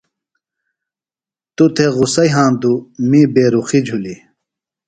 توۡ تھےۡ غصہ یھاندُوۡ می بے رُخیۡ جُھلیۡ۔